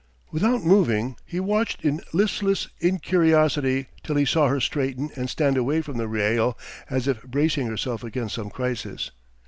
Without moving, he watched in listless incuriosity till he saw her straighten and stand away from the rail as if bracing herself against some crisis.